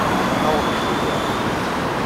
Awḍemt ugar.